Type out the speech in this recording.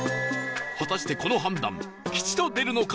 果たしてこの判断吉と出るのか？